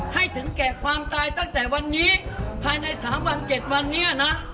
ให้ถึงแก่ความตายตั้งแต่วันนี้ภายใน๓วัน๗วันนี้นะ